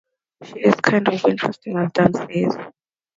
She is kind of interesting as Dan says.